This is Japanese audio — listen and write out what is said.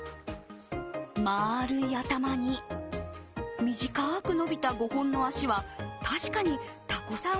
丸い頭に、短く伸びた５本の足は確かに、たこさん